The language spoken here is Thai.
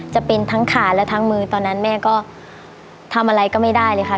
จะเป็นทั้งขาและทั้งมือตอนนั้นแม่ก็ทำอะไรก็ไม่ได้เลยค่ะ